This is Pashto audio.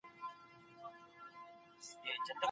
د اوبو تودوخه وریښتان نه ځلا کوي.